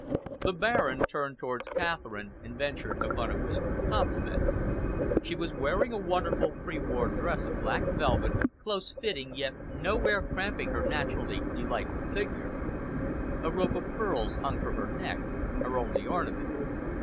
The Baron turned towards Catherine and ventured upon a whispered compliment. She was wearing a wonderful pre war dress of black velvet, close fitting yet nowhere cramping her naturally delightful figure. A rope of pearls hung from her neck her only ornament.